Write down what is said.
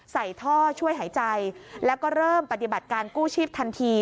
ใส่ท่อช่วยหายใจแล้วก็เริ่มปฏิบัติการกู้ชีพทันที